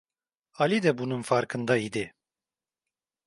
Ali de bunun farkında idi.